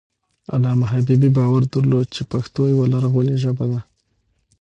علامه حبيبي باور درلود چې پښتو یوه لرغونې ژبه ده.